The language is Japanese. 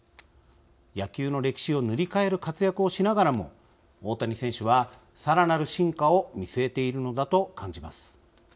野球の歴史を塗り替える活躍をしながらも大谷選手はさらなる進化を見すえているのだと感じます。